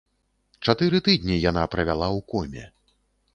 Чатыры тыдні яна правяла ў коме.